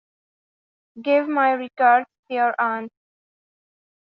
Give my regards to your aunt.